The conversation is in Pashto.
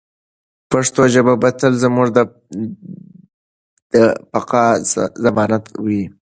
پښتو ژبه به تل زموږ د بقا ضمانت وي.